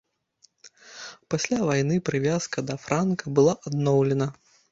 Пасля вайны прывязка да франка была адноўлена.